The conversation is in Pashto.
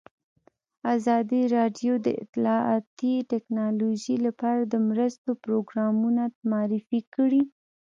ازادي راډیو د اطلاعاتی تکنالوژي لپاره د مرستو پروګرامونه معرفي کړي.